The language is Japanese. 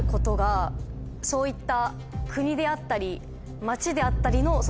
そういった。